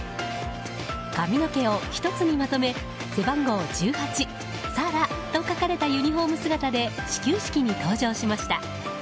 髪の毛を１つにまとめ背番号１８、ＳＡＲＡと書かれたユニホーム姿で始球式に登場しました。